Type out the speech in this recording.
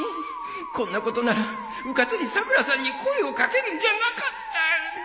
こんなことならうかつにさくらさんに声を掛けるんじゃなかった